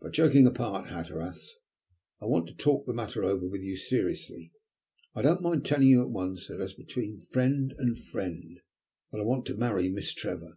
"But, joking apart, Hatteras, I want to talk the matter over with you seriously. I don't mind telling you at once, as between friend and friend, that I want to marry Miss Trevor."